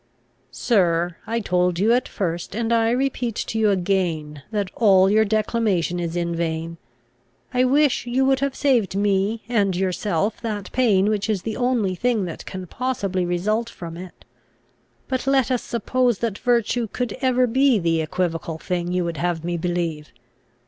"Sir, I told you at first, and I repeat to you again, that all your declamation is in vain. I wish you would have saved me and yourself that pain which is the only thing that can possibly result from it. But let us suppose that virtue could ever be the equivocal thing you would have me believe.